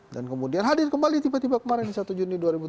dan kemudian hadir kembali tiba tiba kemarin satu juni dua ribu tujuh belas